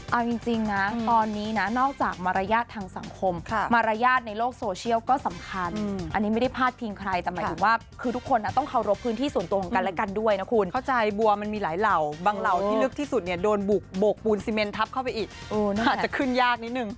เอาจริงนะตอนนี้นะนอกจากมารยาททางสังคมมารยาทในโลกโซเชียลก็สำคัญอันนี้ไม่ได้พาดพิงใครแต่หมายถึงว่าคือทุกคนต้องเคารพพื้นที่ส่วนตัวของกันและกันด้วยนะคุณเข้าใจบัวมันมีหลายเหล่าบางเหล่าที่ลึกที่สุดเนี่ยโดนบุกโบกปูนซีเมนทับเข้าไปอีกอาจจะขึ้นยากนิดนึง